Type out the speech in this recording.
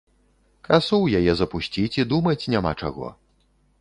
Касу ў яе запусціць і думаць няма чаго.